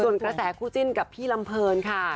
ส่วนกระแสคู่จิ้นกับพี่ลำเพลินค่ะ